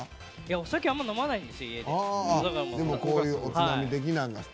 お酒、あんまり飲まないんです、家で。